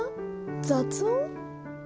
雑音？